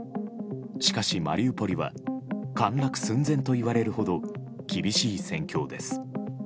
しかし、マリウポリは陥落寸前といわれるほど厳しい戦況です。